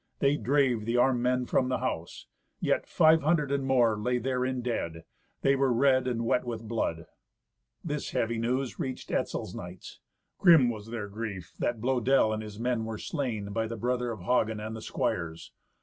They drave the armed men from the house. Yet five hundred and more lay therein dead. They were red and wet with blood. This heave news reached Etzel's knights. Grim was their grief that Blœdel and his men were slain by the brother of Hagen, and the squires.